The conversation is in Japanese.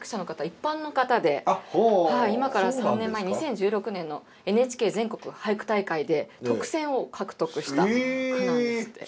一般の方で今から３年前２０１６年の「ＮＨＫ全国俳句大会」で特選を獲得した句なんですって。